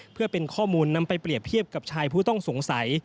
เพื่อเป็นข้อมูลนำไปเปรียบเทียบกับชายผู้ต้องสงสัย